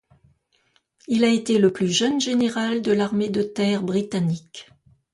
Il a été le plus jeune général de l'armée de terre britannique.